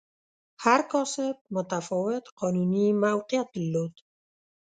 هر کاسټ متفاوت قانوني موقعیت درلود.